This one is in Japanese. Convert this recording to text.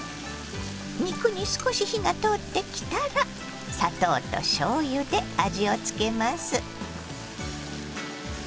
肉に少し火が通ってきたら砂糖としょうゆで味を付けます。